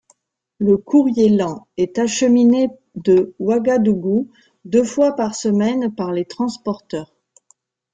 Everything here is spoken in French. Le courrier lent est acheminé de Ouagadougou deux fois par semaine par les transporteurs.